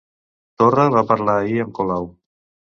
Torra va parlar ahir amb Colau